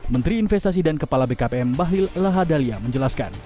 menteri investasi dan kepala bkpm bahlil lahadalia menjelaskan